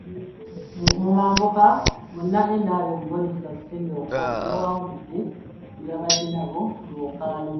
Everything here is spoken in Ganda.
Mu mambuka era Munna NRM, Boniface Henry Okot yawangudde be yabadde nabo mu lwokaano.